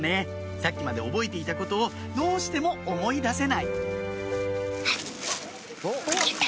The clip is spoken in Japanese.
さっきまで覚えていたことをどうしても思い出せないあっ。